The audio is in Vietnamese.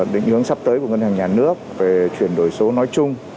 định hướng sắp tới của ngân hàng nhà nước về chuyển đổi số nói chung